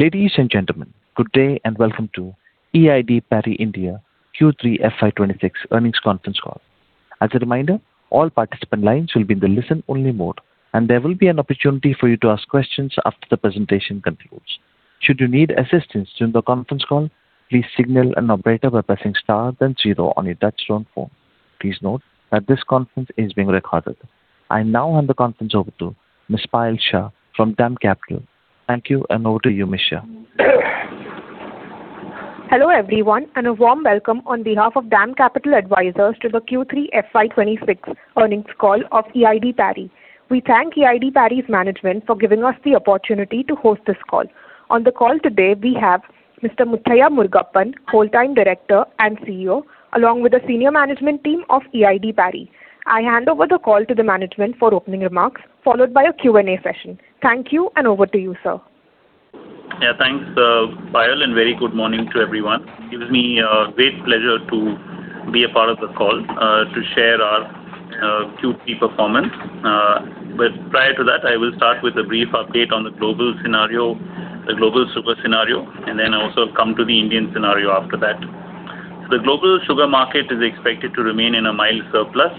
Ladies and gentlemen, good day, and welcome to E.I.D. Parry India Q3 FY 26 Earnings Conference Call. As a reminder, all participant lines will be in the listen-only mode, and there will be an opportunity for you to ask questions after the presentation concludes. Should you need assistance during the conference call, please signal an operator by pressing star then zero on your touchtone phone. Please note that this conference is being recorded. I now hand the conference over to Ms. Payal Shah from DAM Capital. Thank you, and over to you, Ms. Shah. Hello, everyone, and a warm welcome on behalf of DAM Capital Advisors to the Q3 FY26 earnings call of EID Parry. We thank EID Parry's management for giving us the opportunity to host this call. On the call today, we have Mr. Muthiah Murugappan, Full-time Director and CEO, along with the senior management team of EID Parry. I hand over the call to the management for opening remarks, followed by a Q&A session. Thank you, and over to you, sir. Yeah, thanks, Payal, and very good morning to everyone. Gives me great pleasure to be a part of the call to share our Q3 performance. But prior to that, I will start with a brief update on the global scenario, the global sugar scenario, and then also come to the Indian scenario after that. The global sugar market is expected to remain in a mild surplus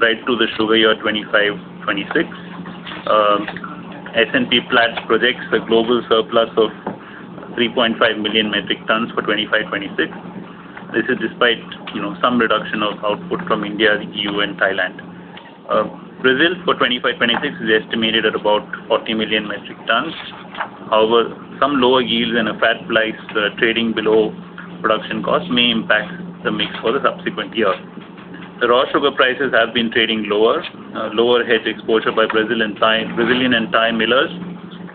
right through the sugar year 2025-2026. S&P Global Platts projects a global surplus of 3.5 million metric tons for 2025-2026. This is despite, you know, some reduction of output from India, the EU, and Thailand. Brazil for 2025-2026 is estimated at about 40 million metric tons. However, some lower yields and a flat price trading below production costs may impact the mix for the subsequent year. The raw sugar prices have been trading lower. Lower hedge exposure by Brazilian and Thai millers,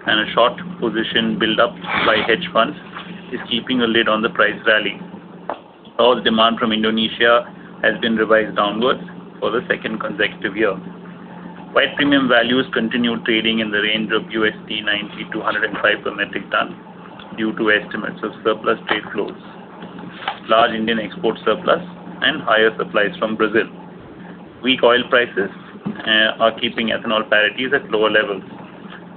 and a short position build-up by hedge funds is keeping a lid on the price rally. Oil demand from Indonesia has been revised downward for the second consecutive year. White premium values continue trading in the range of $90-$105 per metric ton due to estimates of surplus trade flows, large Indian export surplus, and higher supplies from Brazil. Weak oil prices are keeping ethanol parities at lower levels.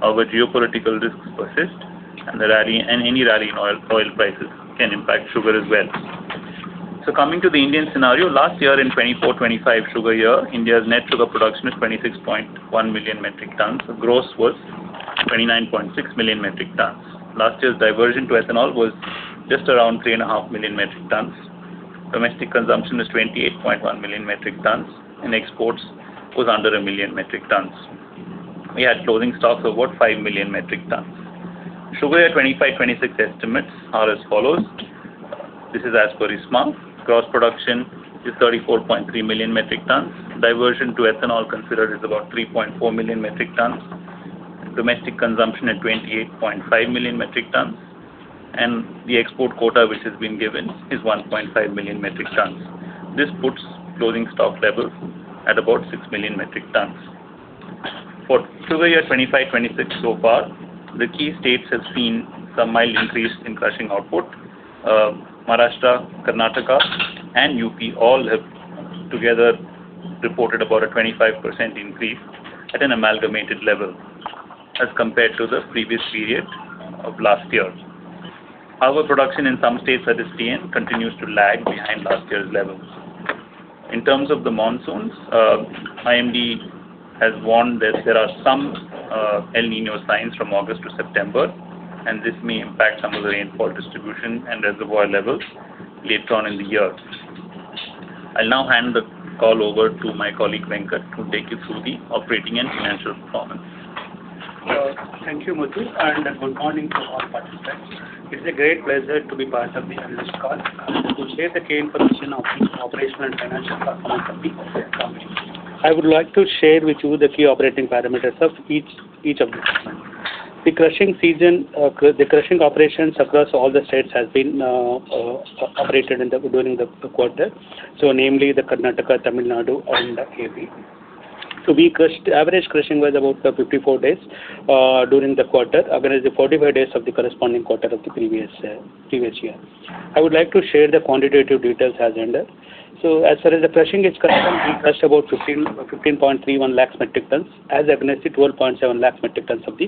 However, geopolitical risks persist, and any rally in oil prices can impact sugar as well. So coming to the Indian scenario, last year in 2024-25 sugar year, India's net sugar production was 26.1 million metric tons. The gross was 29.6 million metric tons. Last year's diversion to ethanol was just around 3.5 million metric tons. Domestic consumption was 28.1 million metric tons, and exports was under 1 million metric tons. We had closing stocks of about 5 million metric tons. Sugar year 2025-26 estimates are as follows: This is as per ISMA. Gross production is 34.3 million metric tons. Diversion to ethanol considered is about 3.4 million metric tons. Domestic consumption at 28.5 million metric tons, and the export quota, which has been given, is 1.5 million metric tons. This puts closing stock levels at about 6 million metric tons. For sugar year 2025-26 so far, the key states have seen some mild increase in crushing output. Maharashtra, Karnataka, and UP all have together reported about a 25% increase at an amalgamated level as compared to the previous period of last year. However, production in some states that is seen continues to lag behind last year's levels. In terms of the monsoons, IMD has warned that there are some, El Niño signs from August to September, and this may impact some of the rainfall distribution and reservoir levels later on in the year. I'll now hand the call over to my colleague, Venkat, to take you through the operating and financial performance. Thank you, Muthu, and good morning to all participants. It's a great pleasure to be part of the analyst call to share the key information of the operational and financial performance of the company. I would like to share with you the key operating parameters of each of them. The crushing season, the crushing operations across all the states has been operated during the quarter, so namely the Karnataka, Tamil Nadu, and AP. Average crushing was about 54 days during the quarter, against the 45 days of the corresponding quarter of the previous year. I would like to share the quantitative details as under. So as far as the crushing is concerned, we crushed about 15.31 lakhs metric tons, as against 12.7 lakhs metric tons of the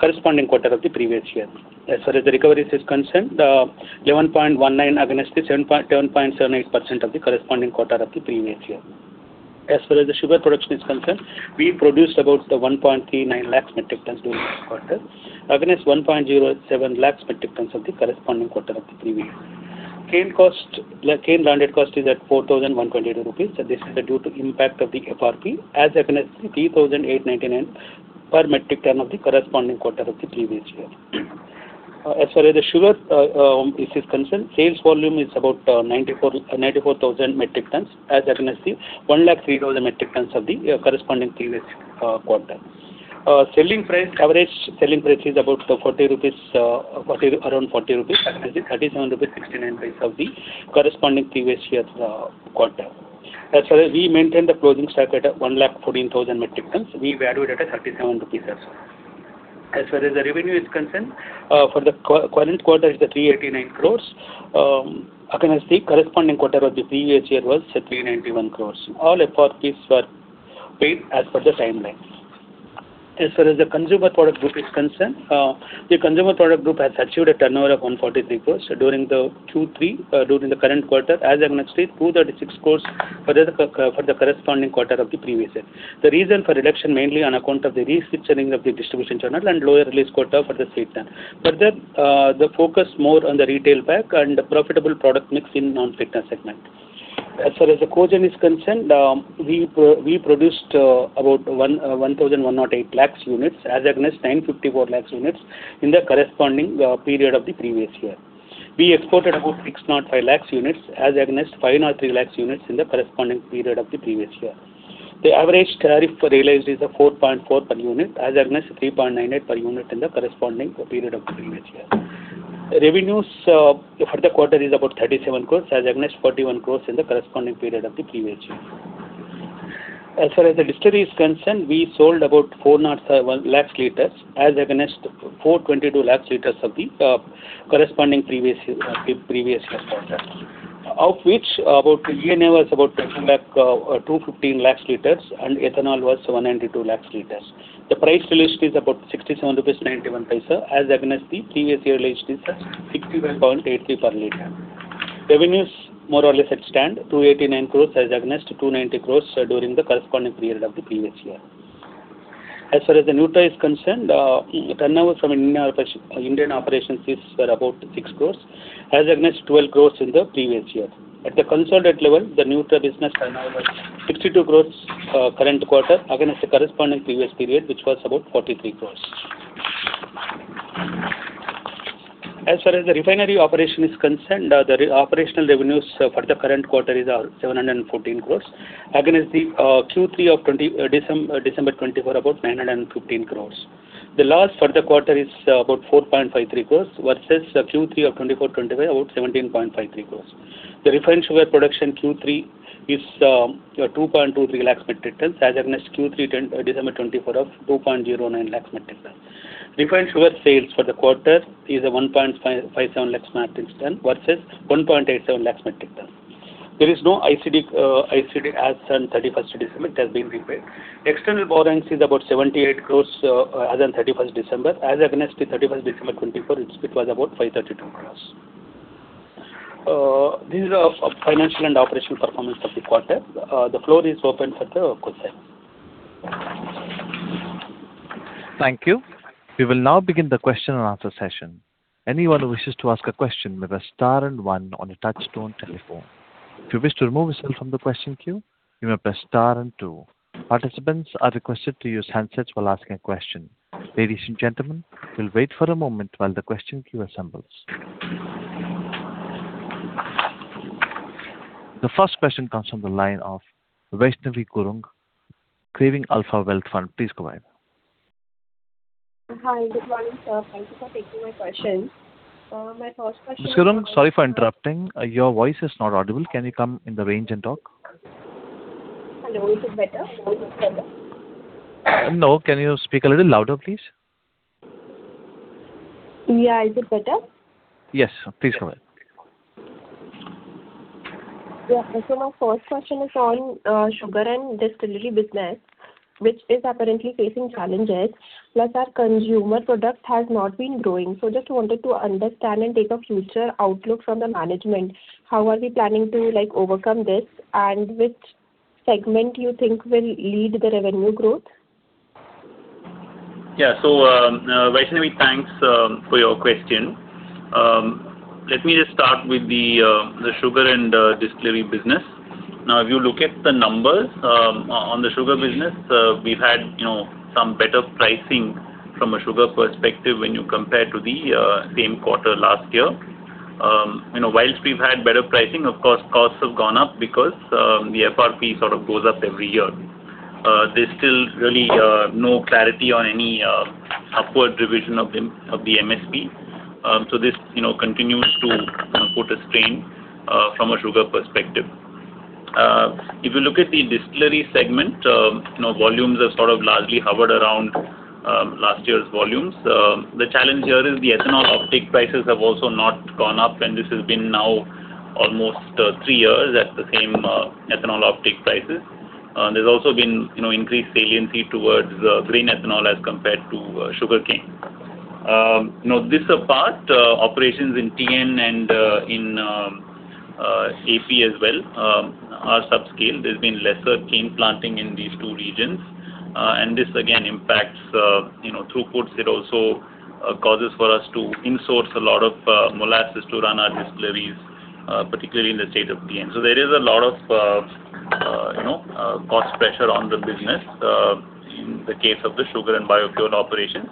corresponding quarter of the previous year. As far as the recoveries is concerned, 11.19 against the 10.78% of the corresponding quarter of the previous year. As far as the sugar production is concerned, we produced about the 1.39 lakhs metric tons during this quarter, against 1.07 lakhs metric tons of the corresponding quarter of the previous year. Cane cost, cane landed cost is at 4,122 rupees, so this is due to impact of the FRP, as against 3,899 rupees per metric ton of the corresponding quarter of the previous year. As far as the sugar is concerned, sales volume is about 94,000 metric tons, as against the 103,000 metric tons of the corresponding previous quarter. Selling price—average selling price is about the 40 rupees, around 40 rupees, against the 37.69 rupees price of the corresponding previous year's quarter. As well as we maintain the closing stock at 114,000 metric tons, we valued at a 37 rupees also. As far as the revenue is concerned, for the current quarter is the 389 crore, against the corresponding quarter of the previous year was 391 crore. All FRPs were paid as per the timelines. As far as the consumer product group is concerned, the consumer product group has achieved a turnover of 143 crore during the Q3, during the current quarter, as against 236 crore for the corresponding quarter of the previous year. The reason for reduction mainly on account of the restructuring of the distribution channel and lower release quota for the sweetener. Further, the focus more on the retail pack and the profitable product mix in non-sweetener segment. As far as the Co-gen is concerned, we produced about 1,018 lakh units as against 954 lakh units in the corresponding period of the previous year. We exported about 605 lakh units as against 503 lakh units in the corresponding period of the previous year. The average tariff for realized is 4.4 per unit, as against 3.98 per unit in the corresponding period of the previous year. Revenues for the quarter is about 37 crore as against 41 crore in the corresponding period of the previous year. As far as the distillery is concerned, we sold about 407 lakh liters, as against 422 lakh liters of the corresponding previous year previous year quarter. Of which about ENA was about 215 lakh liters, and ethanol was 192 lakh liters. The price realized is about 67.91 rupees, as against the previous year realized is at 61.83 per liter. Revenues more or less at stand, 289 crore as against 290 crore during the corresponding period of the previous year. As far as the nutra is concerned, turnover from Indian operations was about 6 crore, as against 12 crore in the previous year. At the consolidated level, the nutra business turnover was 62 crore current quarter, against the corresponding previous period, which was about 43 crore. As far as the refinery operation is concerned, the operational revenues for the current quarter is 714 crore, against the Q3 of December 2024 about 915 crore. The loss for the quarter is about 4.53 crore, versus Q3 of 2024, 2025, about 17.53 crore. The refined sugar production Q3 is 2.23 lakh metric tons as against Q3 of December 2024 of 2.09 lakh metric ton. Refined sugar sales for the quarter is 1.557 lakh metric ton, versus 1.87 lakh metric ton. There is no ICD as on 31st December, it has been repaid. External borrowings is about 78 crore as on 31st December, as against 31st December 2024, it was about 532 crore. This is our financial and operational performance of the quarter. The floor is open for the questions. Thank you. We will now begin the question and answer session. Anyone who wishes to ask a question, may press star and one on your touchtone telephone. If you wish to remove yourself from the question queue, you may press star and two. Participants are requested to use handsets while asking a question. Ladies and gentlemen, we'll wait for a moment while the question queue assembles. The first question comes from the line of Vaishnavi Gurung, Craving Alpha Wealth Fund. Please go ahead. Hi, good morning, sir. Thank you for taking my question. My first question- Miss Gurung, sorry for interrupting. Your voice is not audible. Can you come in the range and talk? Hello, is it better? No. Can you speak a little louder, please? Yeah. Is it better? Yes, please go ahead. Yeah. So my first question is on sugar and distillery business, which is apparently facing challenges, plus our consumer product has not been growing. So just wanted to understand and take a future outlook from the management, how are we planning to, like, overcome this? And which segment you think will lead the revenue growth? Yeah. So, Vaishnavi, thanks for your question. Let me just start with the sugar and distillery business. Now, if you look at the numbers on the sugar business, we've had, you know, some better pricing from a sugar perspective when you compare to the same quarter last year. You know, while we've had better pricing, of course, costs have gone up because the FRP sort of goes up every year. There's still really no clarity on any upward revision of the MSP. So this, you know, continues to put a strain from a sugar perspective. If you look at the distillery segment, you know, volumes have sort of largely hovered around last year's volumes. The challenge here is the ethanol output prices have also not gone up, and this has been now almost 3 years at the same ethanol output prices. There's also been, you know, increased salience towards grain ethanol as compared to sugarcane. Now, this apart, operations in TN and in AP as well are subscale. There's been lesser cane planting in these two regions. And this again impacts, you know, throughput. It also causes for us to insource a lot of molasses to run our distilleries, particularly in the state of TN. So there is a lot of, you know, cost pressure on the business in the case of the sugar and biopure operations.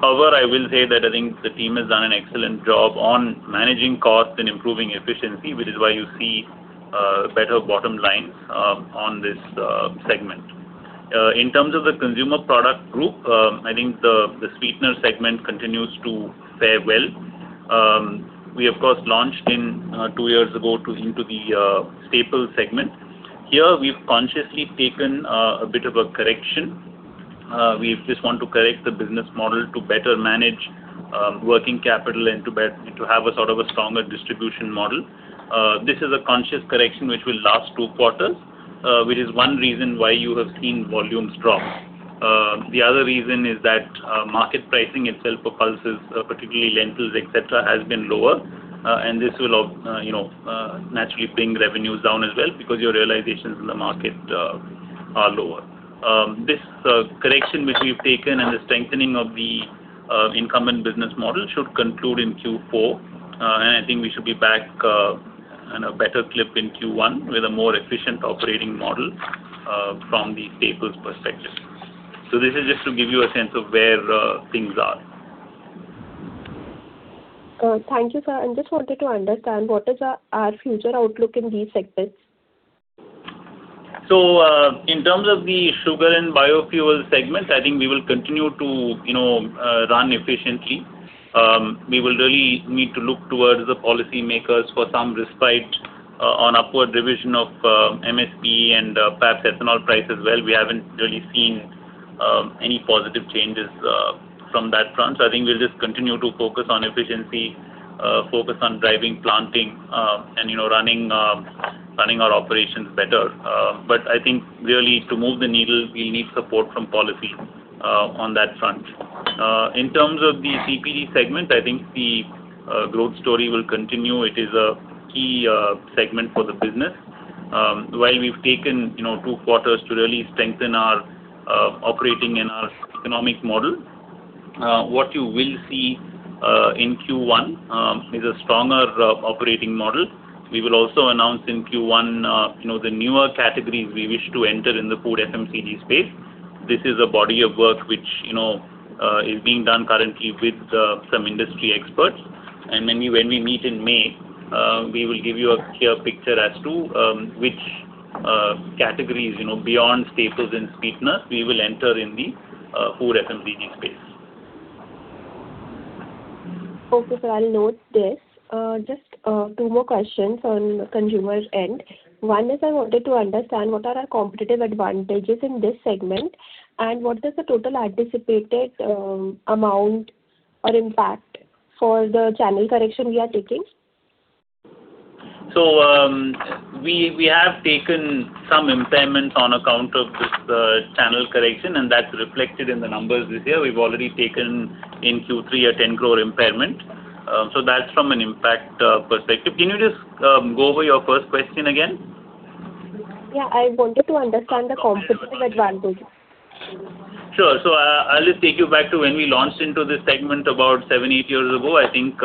However, I will say that I think the team has done an excellent job on managing costs and improving efficiency, which is why you see better bottom lines on this segment. In terms of the consumer product group, I think the sweetener segment continues to fare well. We of course launched 2 years ago into the staple segment. Here, we've consciously taken a bit of a correction. We just want to correct the business model to better manage working capital and to have a sort of a stronger distribution model. This is a conscious correction which will last 2 quarters, which is one reason why you have seen volumes drop. The other reason is that market pricing itself for pulses, particularly lentils, et cetera, has been lower. And this will, you know, naturally bring revenues down as well, because your realizations in the market are lower. This correction which we've taken and the strengthening of the incumbent business model should conclude in Q4. And I think we should be back on a better clip in Q1 with a more efficient operating model from the staples perspective. So this is just to give you a sense of where things are. Thank you, sir. I just wanted to understand, what is our future outlook in these segments? So, in terms of the sugar and biofuels segment, I think we will continue to, you know, run efficiently. We will really need to look towards the policymakers for some respite on upward revision of MSP and perhaps ethanol price as well. We haven't really seen any positive changes from that front. So I think we'll just continue to focus on efficiency, focus on driving, planting, and, you know, running, running our operations better. But I think really to move the needle, we'll need support from policy on that front. In terms of the CPD segment, I think the growth story will continue. It is a key segment for the business. While we've taken, you know, two quarters to really strengthen our operating and our economic model, what you will see in Q1 is a stronger operating model. We will also announce in Q1, you know, the newer categories we wish to enter in the food FMCG space. This is a body of work which, you know, is being done currently with some industry experts. And then we, when we meet in May, we will give you a clear picture as to which categories, you know, beyond staples and sweeteners, we will enter in the food FMCG space. Okay, sir, I'll note this. Just, two more questions on the consumer end. One is, I wanted to understand what are our competitive advantages in this segment, and what is the total anticipated, amount or impact for the channel correction we are taking? So, we have taken some impairments on account of this, channel correction, and that's reflected in the numbers this year. We've already taken in Q3 a 10 crore impairment. So that's from an impact, perspective. Can you just, go over your first question again? Yeah, I wanted to understand the competitive advantage. Sure. So I'll just take you back to when we launched into this segment about 7-8 years ago. I think,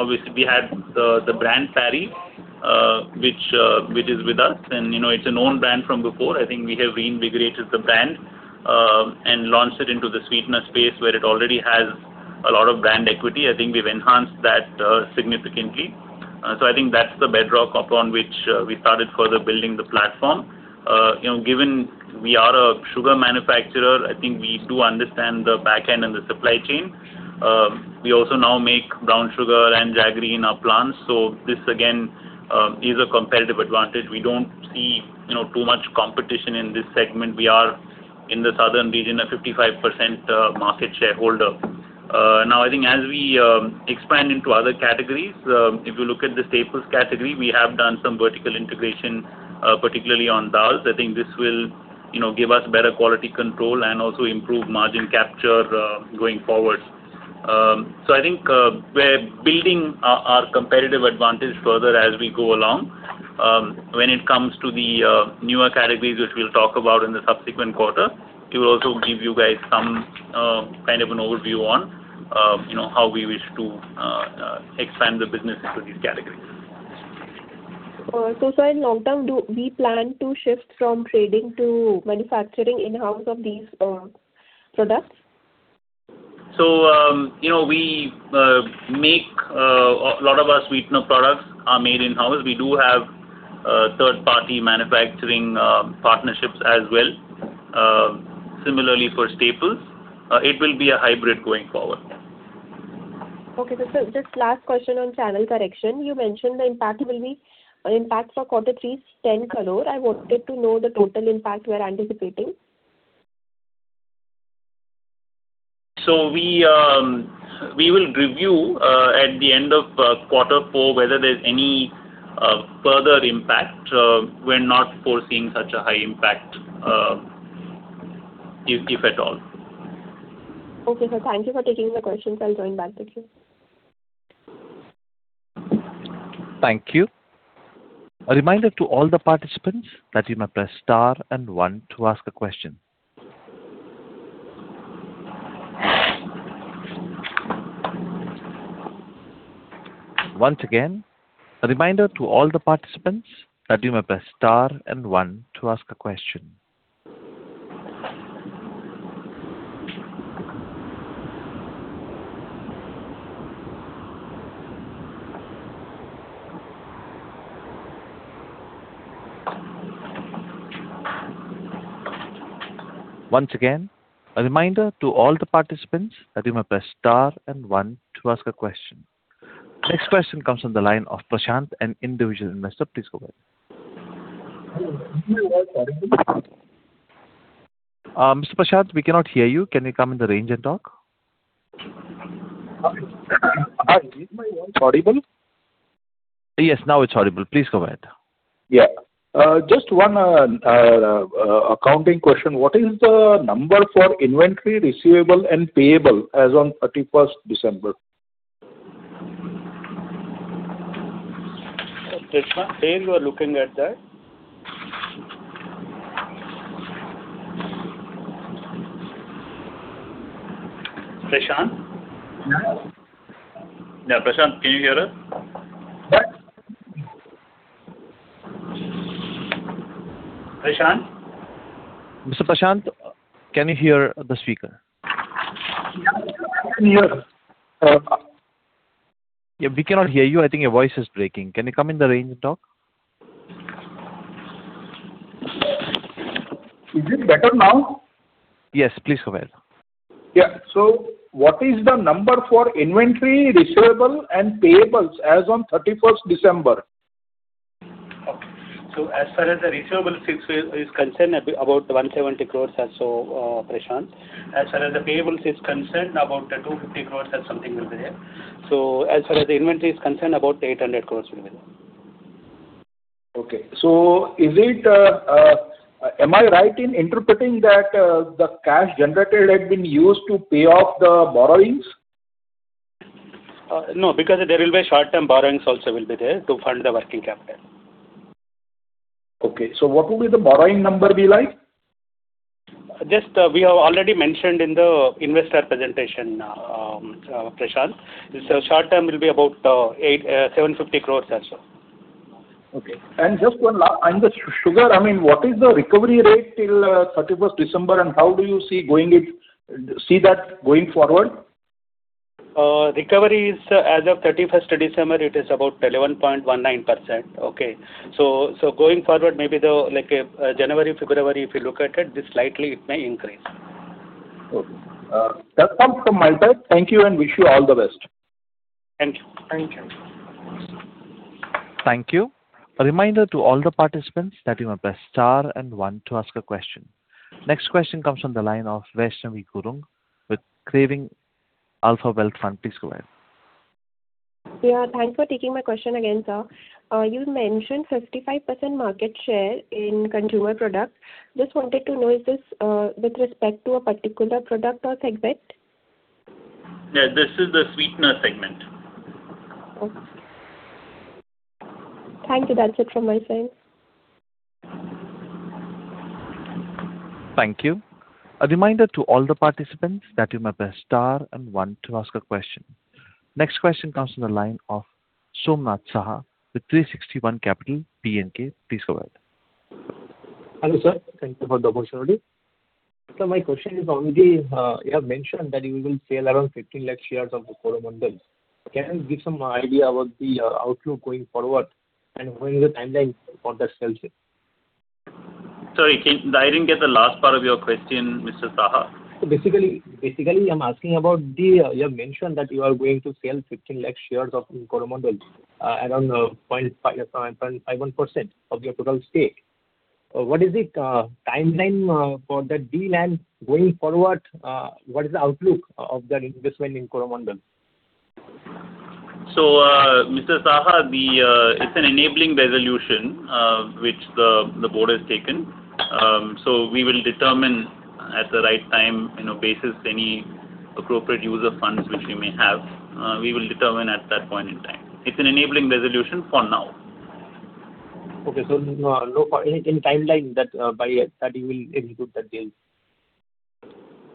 obviously we had the brand Parry, which is with us, and, you know, it's a known brand from before. I think we have reinvigorated the brand, and launched it into the sweetener space, where it already has a lot of brand equity. I think we've enhanced that significantly. So I think that's the bedrock upon which we started further building the platform. You know, given we are a sugar manufacturer, I think we do understand the back end and the supply chain. We also now make brown sugar and jaggery in our plants. So this again is a competitive advantage. We don't see, you know, too much competition in this segment. We are, in the southern region, a 55% market shareholder. Now, I think as we expand into other categories, if you look at the staples category, we have done some vertical integration, particularly on dals. I think this will, you know, give us better quality control and also improve margin capture, going forward. So I think, we're building our, our competitive advantage further as we go along. When it comes to the newer categories, which we'll talk about in the subsequent quarter, we will also give you guys some kind of an overview on, you know, how we wish to expand the business into these categories. So, sir, in long term, do we plan to shift from trading to manufacturing in-house of these products? So, you know, we make a lot of our sweetener products are made in-house. We do have third-party manufacturing partnerships as well. Similarly for staples, it will be a hybrid going forward. Okay. So just last question on channel correction. You mentioned the impact will be, impact for quarter three is 10 crore. I wanted to know the total impact we are anticipating. So we will review at the end of quarter four, whether there's any further impact. We're not foreseeing such a high impact, if at all. Okay, sir, thank you for taking the questions. I'll join back. Thank you. Thank you. A reminder to all the participants that you may press star and one to ask a question. Once again, a reminder to all the participants that you may press star and one to ask a question. Once again, a reminder to all the participants that you may press star and one to ask a question. Next question comes from the line of Prashant, an individual investor. Please go ahead. Mr. Prashant, we cannot hear you. Can you come in the range and talk? Hi, is my voice audible? Yes, now it's audible. Please go ahead. Yeah. Just one accounting question. What is the number for inventory receivable and payable as on thirty-first December? Prashant, there you are looking at that. Prashant? Yeah. Yeah, Prashant, can you hear us? What? Prashant? Mr. Prashant, can you hear the speaker? Yeah, I can hear. Yeah, we cannot hear you. I think your voice is breaking. Can you come in the range and talk? Is it better now? Yes, please go ahead. Yeah. So what is the number for inventory receivable and payables as on 31 December? Okay. So as far as the receivables is concerned, about 170 crore or so, Prashant. As far as the payables is concerned, about 250 crore or something will be there. So as far as the inventory is concerned, about 800 crore will be there. Okay. So, am I right in interpreting that the cash generated had been used to pay off the borrowings? No, because there will be short-term borrowings also will be there to fund the working capital. Okay, so what will be the borrowing number be like? Just, we have already mentioned in the investor presentation, Prashant. It's a short term, will be about 875 crores also. Okay. And just one last, on the sugar, I mean, what is the recovery rate till 31st December, and how do you see that going forward? Recovery is as of thirty-first December, it is about 11.19%. Okay? So, going forward, maybe the, like, January, February, if you look at it, this slightly it may increase. Okay. That's all from my side. Thank you and wish you all the best. Thank you. Thank you. Thank you. A reminder to all the participants that you must press star and one to ask a question. Next question comes from the line of Vaishnavi Gurung with Craving Alpha Wealth Fund. Please go ahead. Yeah, thanks for taking my question again, sir. You mentioned 55% market share in consumer products. Just wanted to know, is this with respect to a particular product or segment? Yeah, this is the sweetener segment. Okay. Thank you. That's it from my side. Thank you. A reminder to all the participants that you may press star and one to ask a question. Next question comes from the line of Somnath Saha with 360 ONE Capital, BNK. Please go ahead. Hello, sir, thank you for the opportunity. My question is already you have mentioned that you will sell around 15 lakh shares of the Coromandel. Can you give some idea about the outlook going forward, and when is the timeline for that sales year? Sorry, I didn't get the last part of your question, Mr. Saha. So basically, I'm asking about the. You have mentioned that you are going to sell 15 lakh shares of Coromandel, around 0.51% of your total stake. What is the timeline for that deal and going forward, what is the outlook of that investment in Coromandel? So, Mr. Saha, it's an enabling resolution, which the board has taken. So we will determine at the right time, you know, basis any appropriate use of funds which we may have, we will determine at that point in time. It's an enabling resolution for now. Okay. So, no, any timeline that by that you will execute that deal?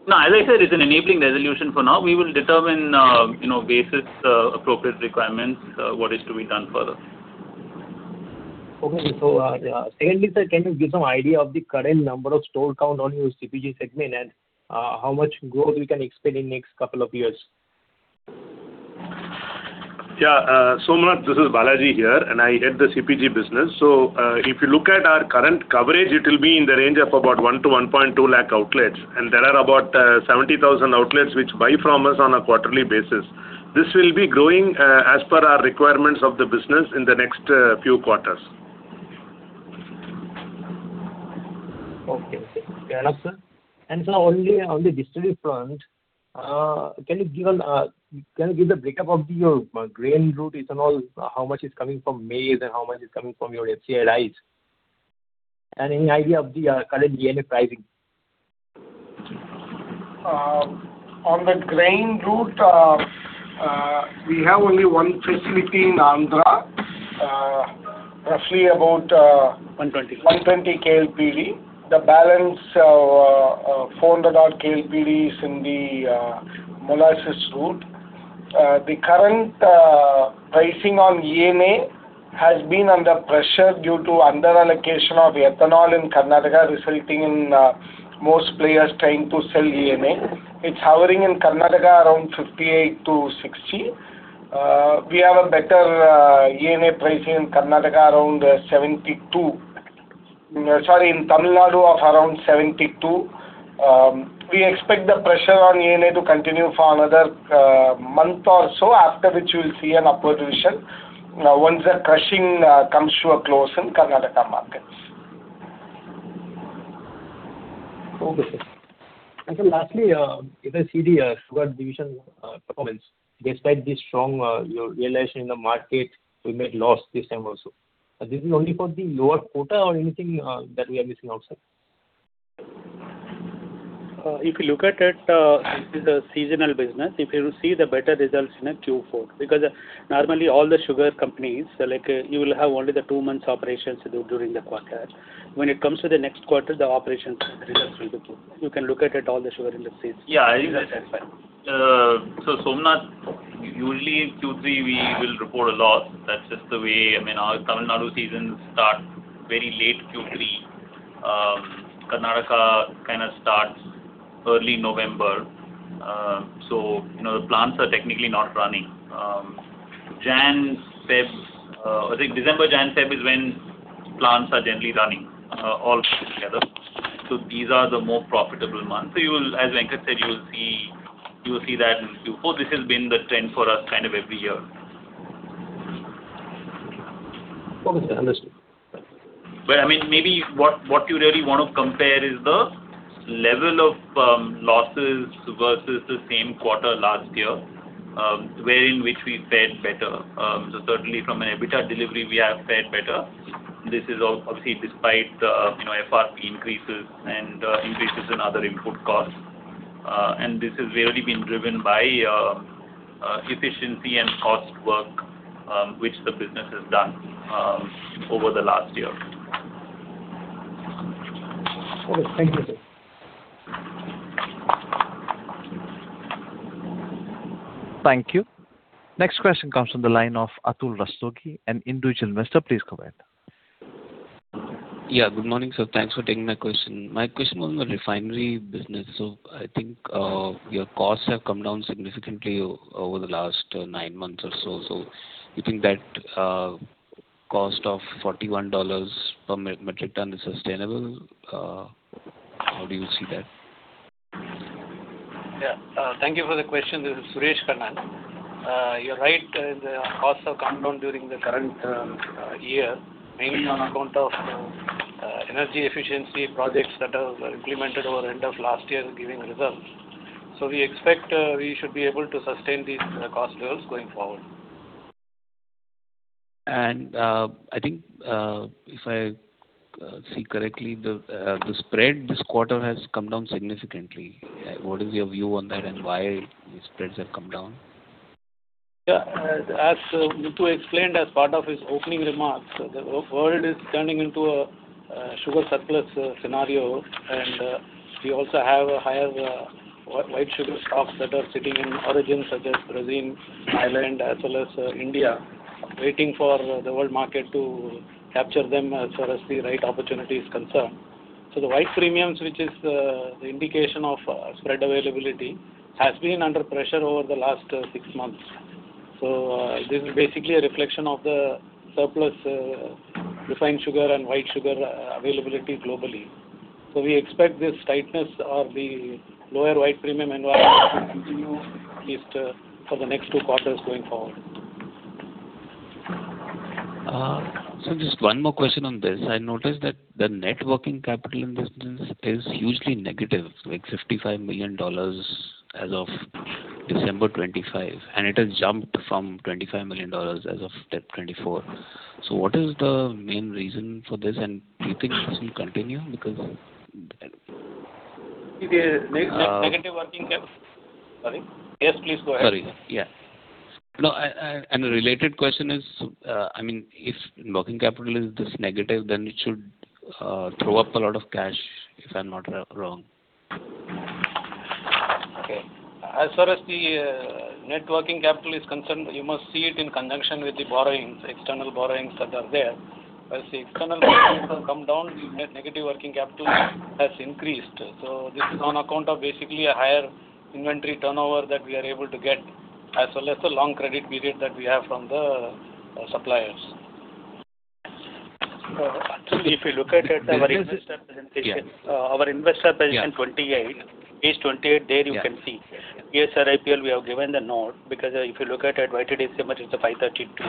No, as I said, it's an enabling resolution for now. We will determine, you know, basis appropriate requirements, what is to be done further. Okay. So, secondly, sir, can you give some idea of the current number of store count on your CPG segment and, how much growth we can expect in next couple of years? Yeah, Somnath, this is Balaji here, and I head the CPG business. So, if you look at our current coverage, it will be in the range of about 1-1.2 lakh outlets, and there are about 70,000 outlets which buy from us on a quarterly basis. This will be growing, as per our requirements of the business in the next few quarters. Okay. Fair enough, sir. And sir, on the distillery front, can you give the breakup of your grain route, ethanol, how much is coming from maize and how much is coming from your FCI rice? And any idea of the current DNA pricing? On the grain route, we have only one facility in Andhra, roughly about- One twenty. 120 KLPD. The balance, four hundred KLPD is in the, molasses route. The current, pricing on ENA has been under pressure due to under allocation of ethanol in Karnataka, resulting in, most players trying to sell ENA. It's hovering in Karnataka around 58-60. We have a better, ENA pricing in Karnataka around 72. Sorry, in Tamil Nadu around 72.... We expect the pressure on ENA to continue for another month or so, after which we will see an upward revision once the crushing comes to a close in Karnataka markets. Okay. And then lastly, in the E.I.D. sugar division performance, despite the strong realization in the market, we made loss this time also. Is this only for the lower quota or anything that we are missing also? If you look at it, it is a seasonal business. If you will see the better results in a Q4, because normally all the sugar companies, like, you will have only the two months operations during the quarter. When it comes to the next quarter, the operations results will be good. You can look at it, all the sugar indices. Yeah, I think that's fine. So Somnath, usually in Q3, we will report a loss. That's just the way. I mean, our Tamil Nadu seasons start very late Q3. Karnataka kind of starts early November, so you know, the plants are technically not running. January, February, I think December, January, February is when plants are generally running, all together. So these are the more profitable months. So you will, as Venkat said, you will see, you will see that in Q4. This has been the trend for us kind of every year. Okay, understood. Well, I mean, maybe what, what you really want to compare is the level of losses versus the same quarter last year, where in which we fared better. So certainly from an EBITDA delivery, we have fared better. This is all obviously despite the, you know, FRP increases and increases in other input costs. And this has really been driven by efficiency and cost work, which the business has done over the last year. Okay. Thank you, sir. Thank you. Next question comes from the line of Atul Rastogi, an individual investor. Please go ahead. Yeah, good morning, sir. Thanks for taking my question. My question was on the refinery business. So I think, your costs have come down significantly over the last nine months or so. So you think that, cost of $41 per metric ton is sustainable? How do you see that? Yeah. Thank you for the question. This is Suresh Kannan. You're right, the costs have come down during the current year, mainly on account of energy efficiency projects that are implemented over the end of last year, giving results. So we expect we should be able to sustain these cost levels going forward. I think, if I see correctly, the spread this quarter has come down significantly. What is your view on that, and why the spreads have come down? Yeah, as Muthu explained as part of his opening remarks, the world is turning into a sugar surplus scenario, and we also have a higher white sugar stocks that are sitting in origin, such as Brazil, Thailand, as well as India, waiting for the world market to capture them as far as the right opportunity is concerned. So the White Premiums, which is the indication of spread availability, has been under pressure over the last six months. So this is basically a reflection of the surplus refined sugar and white sugar availability globally. So we expect this tightness or the lower White Premium environment to continue, at least for the next two quarters going forward. So just one more question on this. I noticed that the net working capital in business is hugely negative, like $55 million as of December 2025, and it has jumped from $25 million as of December 2024. So what is the main reason for this, and do you think this will continue? Because- The negative working cap. Sorry? Yes, please go ahead. Sorry. Yeah. No, and a related question is, I mean, if working capital is this negative, then it should throw up a lot of cash, if I'm not wrong. Okay. As far as the net working capital is concerned, you must see it in conjunction with the borrowings, external borrowings that are there. As the external borrowings have come down, the net negative working capital has increased. So this is on account of basically a higher inventory turnover that we are able to get, as well as the long credit period that we have from the suppliers. Actually, if you look at it, our investor presentation- Our investor presentation 28, page 28, there you can see. Yes, PSRIPL, we have given the note, because if you look at it, why today December is the 532,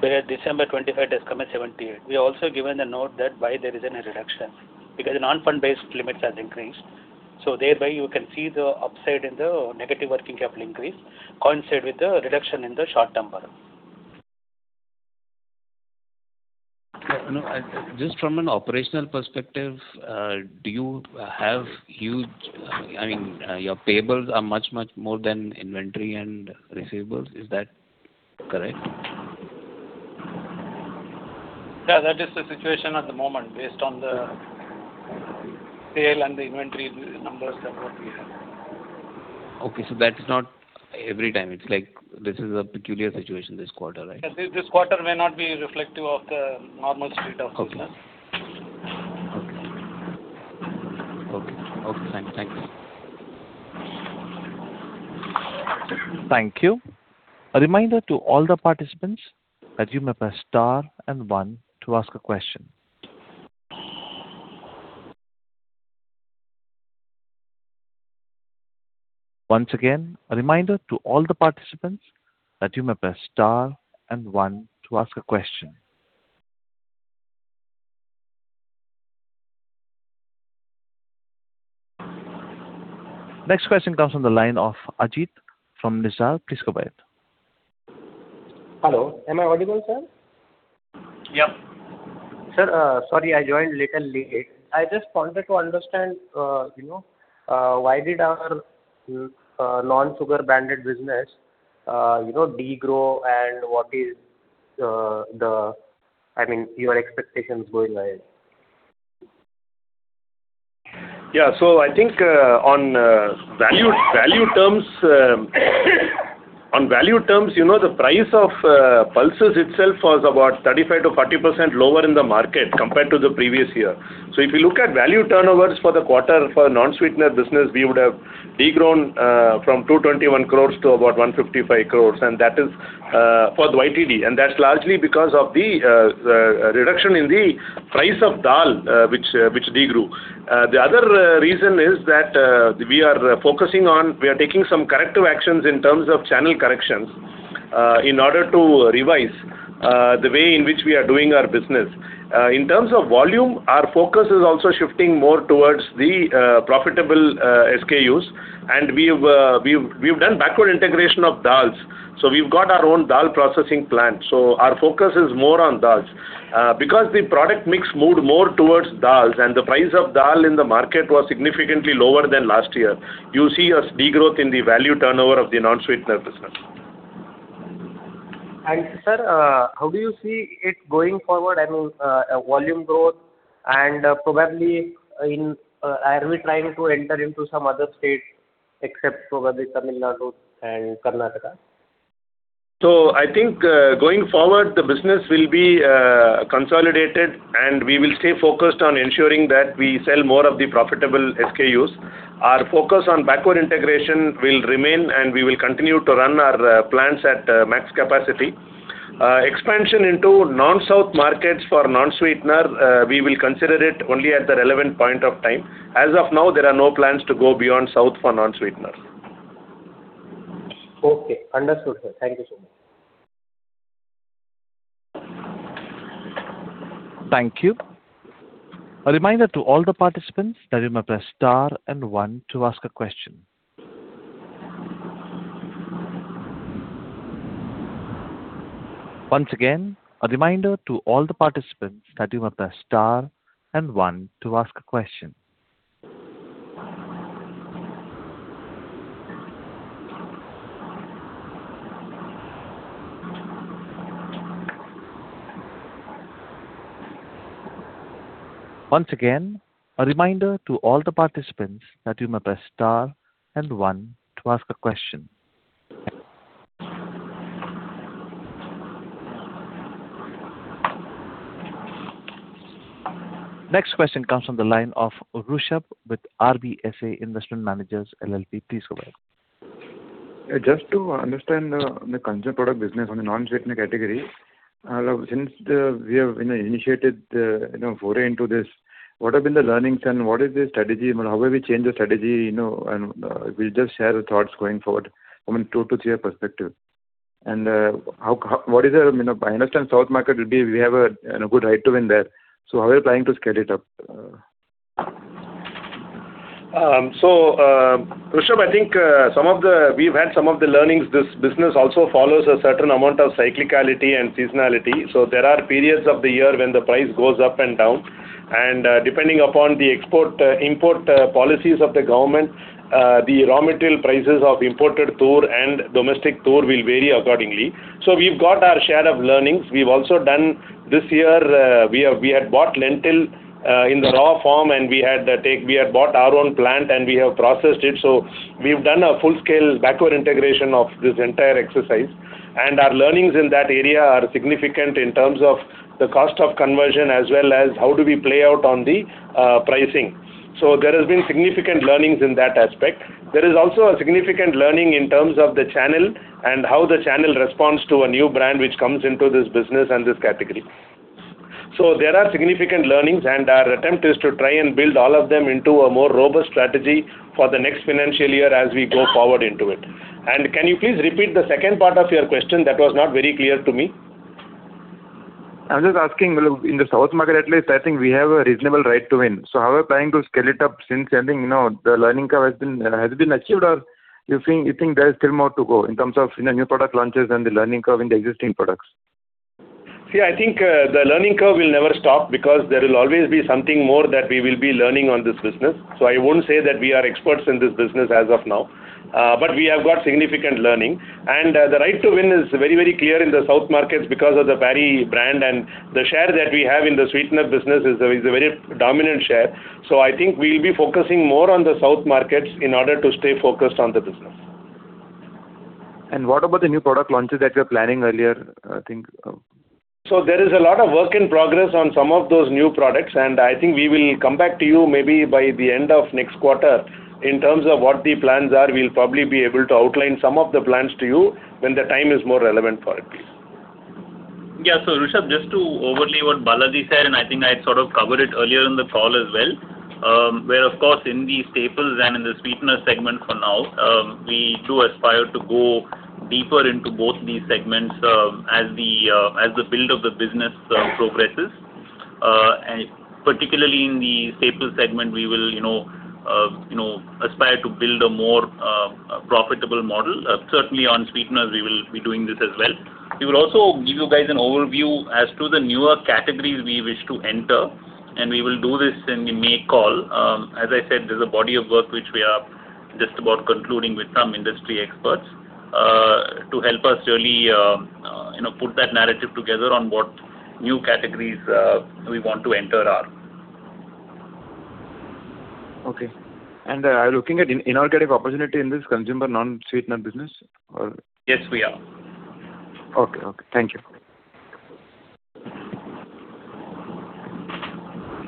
whereas December 25th has come at 78. We have also given the note that why there is a reduction, because the non-fund based limits have increased. So thereby, you can see the upside in the negative working capital increase coincide with the reduction in the short-term borrowing. Yeah, no. Just from an operational perspective, do you have, I mean, your payables are much, much more than inventory and receivables. Is that correct? Yeah, that is the situation at the moment, based on the sale and the inventory numbers that what we have. Okay, so that's not every time. It's like this is a peculiar situation this quarter, right? This quarter may not be reflective of the normal state of business. Okay, thank you.... Thank you. A reminder to all the participants that you may press star and one to ask a question. Once again, a reminder to all the participants that you may press star and one to ask a question. Next question comes from the line of Ajit from Nizarg. Please go ahead. Hello. Am I audible, sir? Yep. Sir, sorry, I joined little late. I just wanted to understand, you know, why did our non-sugar branded business you know degrow and what is the I mean your expectations going ahead? Yeah. So I think, on value terms, you know, the price of pulses itself was about 35%-40% lower in the market compared to the previous year. So if you look at value turnovers for the quarter for non-sweetener business, we would have degrown from 221 crore to about 155 crore, and that is for the YTD, and that's largely because of the reduction in the price of dal, which degrew. The other reason is that we are focusing on. We are taking some corrective actions in terms of channel corrections, in order to revise the way in which we are doing our business. In terms of volume, our focus is also shifting more towards the profitable SKUs, and we've done backward integration of dals. So we've got our own dal processing plant, so our focus is more on dals. Because the product mix moved more towards dals, and the price of dal in the market was significantly lower than last year, you see a degrowth in the value turnover of the non-sweetener business. Sir, how do you see it going forward? I mean, volume growth and, probably in, are we trying to enter into some other states except probably Tamil Nadu and Karnataka? So I think, going forward, the business will be consolidated, and we will stay focused on ensuring that we sell more of the profitable SKUs. Our focus on backward integration will remain, and we will continue to run our plants at max capacity. Expansion into non-South markets for non-sweetener we will consider it only at the relevant point of time. As of now, there are no plans to go beyond South for non-sweetener. Okay. Understood, sir. Thank you so much. Thank you. A reminder to all the participants that you may press star and one to ask a question. Once again, a reminder to all the participants that you may press star and one to ask a question. Once again, a reminder to all the participants that you may press star and one to ask a question. Next question comes from the line of Rushab with RBSA Investment Managers, LLP. Please go ahead. Just to understand the consumer product business on the non-sweetener category, since we have, you know, initiated the, you know, foray into this, what have been the learnings and what is the strategy and how will we change the strategy, you know, and we'll just share the thoughts going forward from a 2-3 year perspective. What is the, you know, I understand South market will be, we have a, you know, good right to win there. So how are you planning to scale it up? So, Rushab, I think some of the... We've had some of the learnings. This business also follows a certain amount of cyclicality and seasonality, so there are periods of the year when the price goes up and down, and, depending upon the export, import, policies of the government, the raw material prices of imported toor and domestic toor will vary accordingly. So we've got our share of learnings. We've also done this year, we have, we had bought lentil in the raw form, and we had bought our own plant, and we have processed it. So we've done a full-scale backward integration of this entire exercise, and our learnings in that area are significant in terms of the cost of conversion, as well as how do we play out on the pricing. There has been significant learnings in that aspect. There is also a significant learning in terms of the channel and how the channel responds to a new brand which comes into this business and this category. There are significant learnings, and our attempt is to try and build all of them into a more robust strategy for the next financial year as we go forward into it. Can you please repeat the second part of your question? That was not very clear to me. I'm just asking, well, in the South market, at least, I think we have a reasonable right to win. So how are you planning to scale it up? Since I think, you know, the learning curve has been, has it been achieved, or you think, you think there is still more to go in terms of, you know, new product launches and the learning curve in the existing products? See, I think, the learning curve will never stop because there will always be something more that we will be learning on this business. So I won't say that we are experts in this business as of now, but we have got significant learning, and, the right to win is very, very clear in the South markets because of the Parry brand, and the share that we have in the sweetener business is a, is a very dominant share. So I think we'll be focusing more on the South markets in order to stay focused on the business. What about the new product launches that you were planning earlier? I think,... So there is a lot of work in progress on some of those new products, and I think we will come back to you maybe by the end of next quarter. In terms of what the plans are, we'll probably be able to outline some of the plans to you when the time is more relevant for it. Yeah. So Rushabh, just to overlay what Balaji said, and I think I sort of covered it earlier in the call as well, where, of course, in the staples and in the sweetener segment for now, we do aspire to go deeper into both these segments, as the, as the build of the business progresses. And particularly in the staples segment, we will, you know, you know, aspire to build a more profitable model. Certainly on sweeteners, we will be doing this as well. We will also give you guys an overview as to the newer categories we wish to enter, and we will do this in the May call. As I said, there's a body of work which we are just about concluding with some industry experts, to help us really, you know, put that narrative together on what new categories we want to enter are. Okay. Are you looking at inorganic opportunity in this consumer non-sweetener business, or? Yes, we are. Okay. Okay. Thank you.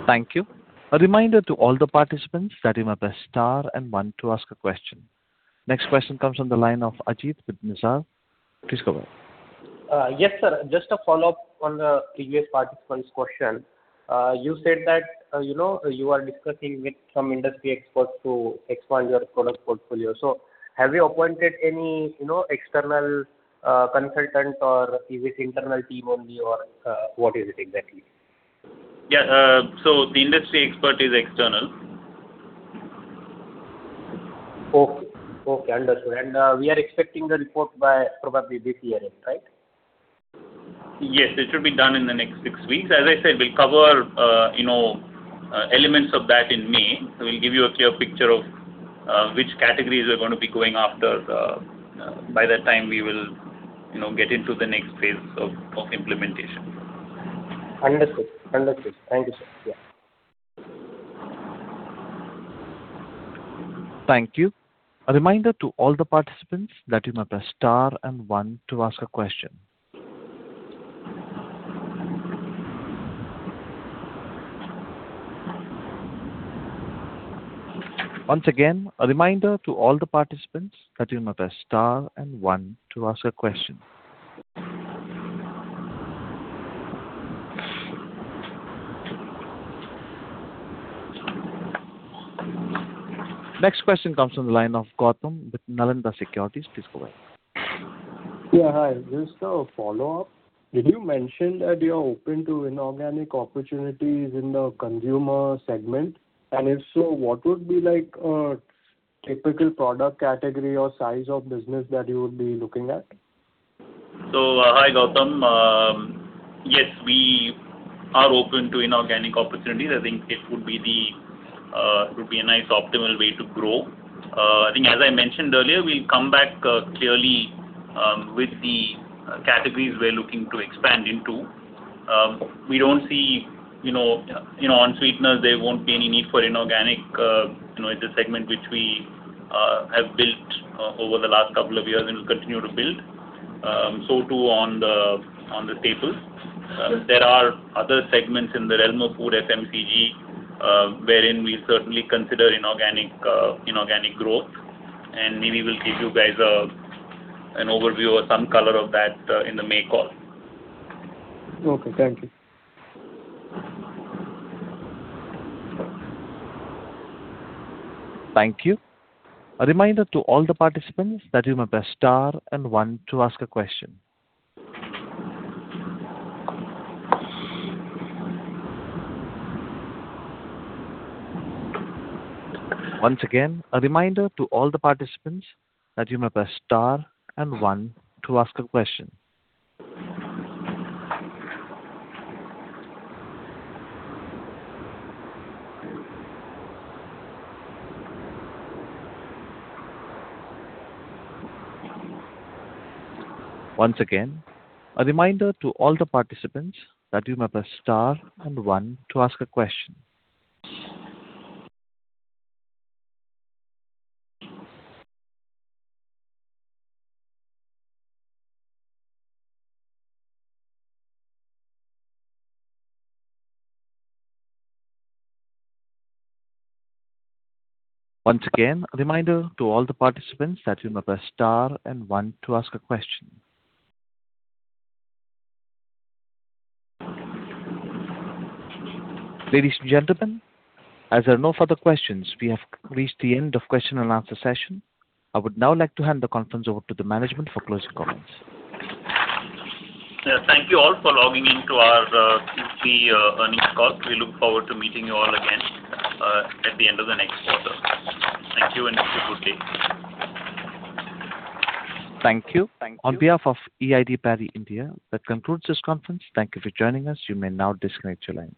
Thank you. A reminder to all the participants that you may press star and one to ask a question. Next question comes on the line of Ajit with Nizarg. Please go ahead. Yes, sir. Just a follow-up on the previous participant's question. You said that, you know, you are discussing with some industry experts to expand your product portfolio. So have you appointed any, you know, external consultant, or is it internal team only, or what is it exactly? Yeah, so the industry expert is external. Okay. Okay, understood. And we are expecting the report by probably this year-end, right? Yes, it should be done in the next six weeks. As I said, we'll cover, you know, elements of that in May. So we'll give you a clear picture of which categories we're going to be going after, by that time we will, you know, get into the next phase of implementation. Understood. Understood. Thank you, sir. Yeah. Thank you. A reminder to all the participants that you may press star and one to ask a question. Once again, a reminder to all the participants that you may press star and one to ask a question. Next question comes from the line of Gautam with Nalanda Securities. Please go ahead. Yeah, hi. Just a follow-up. Did you mention that you are open to inorganic opportunities in the consumer segment? And if so, what would be like, a typical product category or size of business that you would be looking at? So, hi, Gautam. Yes, we are open to inorganic opportunities. I think it would be a nice optimal way to grow. I think as I mentioned earlier, we'll come back clearly with the categories we're looking to expand into. We don't see, you know, on sweeteners, there won't be any need for inorganic, you know, it's a segment which we have built over the last couple of years and will continue to build. So too, on the staples. There are other segments in the realm of food FMCG, wherein we certainly consider inorganic growth, and maybe we'll give you guys an overview or some color of that in the May call. Okay. Thank you. Thank you. A reminder to all the participants that you may press star and one to ask a question. Once again, a reminder to all the participants that you may press star and one to ask a question. Once again, a reminder to all the participants that you may press star and one to ask a question. Once again, a reminder to all the participants that you may press star and one to ask a question. Ladies and gentlemen, as there are no further questions, we have reached the end of question and answer session. I would now like to hand the conference over to the management for closing comments. Yeah. Thank you all for logging in to our Q3 earnings call. We look forward to meeting you all again at the end of the next quarter. Thank you, and have a good day. Thank you. On behalf of E.I.D. Parry India, that concludes this conference. Thank you for joining us. You may now disconnect your lines.